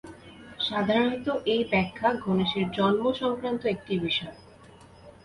সাধারণত, এই ব্যাখ্যা গণেশের জন্ম-সংক্রান্ত একটি বিষয়।